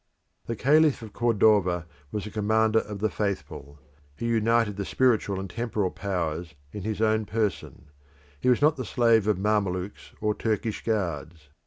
The Caliph of Cordova was a Commander of the Faithful: he united the spiritual and temporal powers in his own person: he was not the slave of Mamelukes or Turkish guards.